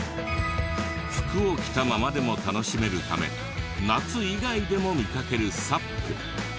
服を着たままでも楽しめるため夏以外でも見かけるサップ。